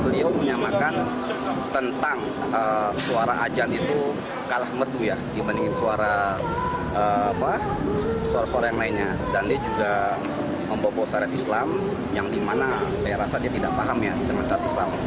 dia juga membawa bawa syarat islam yang dimana saya rasa dia tidak paham ya dengan syarat islam